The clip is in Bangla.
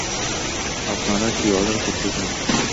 আপনারা কী অর্ডার করতে চান?